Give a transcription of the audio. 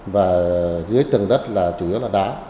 và dưới tầng đất là chủ yếu là đá